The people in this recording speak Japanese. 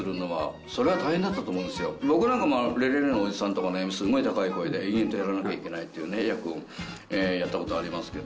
僕なんかもレレレのおじさんとかスゴい高い声で延々とやらなきゃいけないという役をやった事ありますけど。